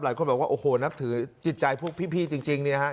หลายคนบอกว่าโอ้โหนับถือจิตใจพวกพี่จริงเนี่ยฮะ